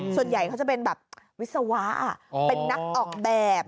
ส่วนใหญ่เขาจะเป็นแบบวิศวะเป็นนักออกแบบ